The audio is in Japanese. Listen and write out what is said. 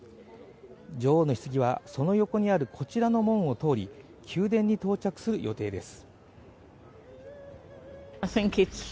女王のひつぎは、その横にあるこちらの門を通り、宮殿に到着する予定です。